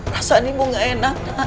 rasanya ibu gaenak